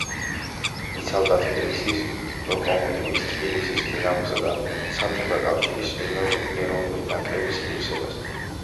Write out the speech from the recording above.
იცავდა თბილისის „ლოკომოტივის“, თბილისის „დინამოსა“ და საბჭოთა კავშირის ეროვნული ნაკრების ღირსებას.